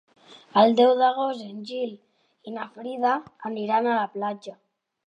El deu d'agost en Gil i na Frida aniran a la platja.